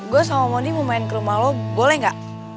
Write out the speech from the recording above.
gue sama moni mau main ke rumah lo boleh gak